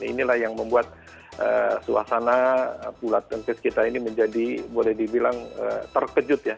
inilah yang membuat suasana bulat engkes kita ini menjadi boleh dibilang terkejut ya